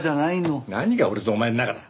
何が俺とお前の仲だ。